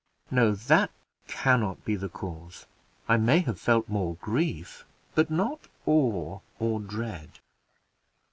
No, that can not be the cause; I may have felt more grief, but not awe or dread.